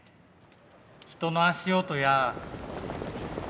人の足音や。